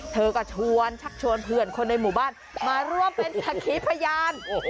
เธอก็ชวนชักชวนเพื่อนคนในหมู่บ้านมาร่วมเป็นสักขีพยาน